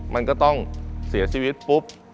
มันก็ต้องเสียชีวิตปุ๊บ